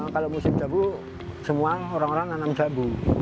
kalau musim jambu semua orang orang nanam jambu